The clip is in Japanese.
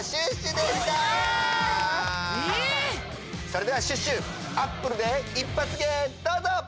それではシュッシュ「アップル」で一発芸どうぞ！